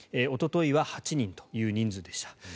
おとといは８人という人数でした。